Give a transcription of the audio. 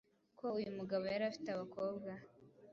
ko uyu mugabo yari afite abakobwa,